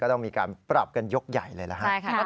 ก็ต้องมีการปรับกันยกใหญ่เลยนะฮะ